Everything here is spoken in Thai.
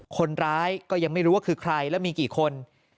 คนร้ายก็ยังไม่รู้ว่าคือใครแล้วมีกี่คน